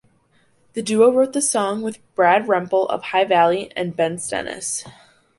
The duo wrote the song with Brad Rempel of High Valley and Ben Stennis.